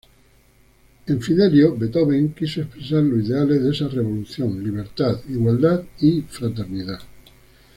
En "Fidelio", Beethoven quiso expresar los ideales de esa revolución: libertad, igualdad y fraternidad.